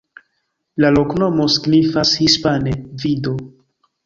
La loknomo signifas hispane: vido.